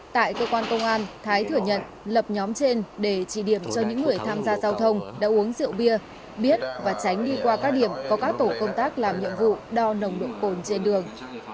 tại cơ quan công an thái thừa nhận lập nhóm trên để chỉ điểm cho những người tham gia giao thông đã uống rượu bia biết và tránh đi qua các điểm có các tổ công tác làm nhiệm vụ đo nồng độ cồn trên đường